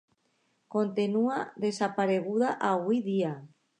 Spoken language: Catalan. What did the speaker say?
Continua desapareguda avui dia.